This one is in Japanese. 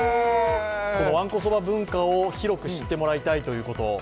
わんこそば文化を広く知ってもらいたいということ。